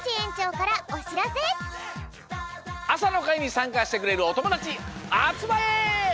あさのかいにさんかしてくれるおともだちあつまれ！